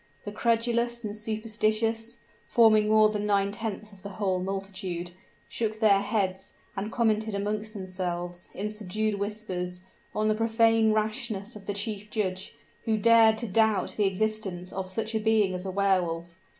The credulous and superstitious forming more than nine tenths of the whole multitude shook their heads, and commented amongst themselves, in subdued whispers, on the profane rashness of the chief judge, who dared to doubt the existence of such a being as a Wehr Wolf.